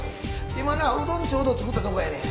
今なうどんちょうど作ったとこやねん。